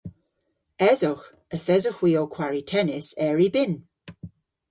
Esowgh. Yth esowgh hwi ow kwari tennis er y bynn.